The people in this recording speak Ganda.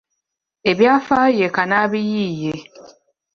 Ebyafaayo ye kannabiyiiye